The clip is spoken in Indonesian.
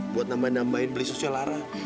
buat nambah nambahin beli susu lara